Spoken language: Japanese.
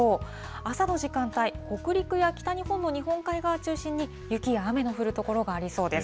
朝の時間帯、北陸や北日本の日本海側を中心に、雪や雨の降る所がありそうです。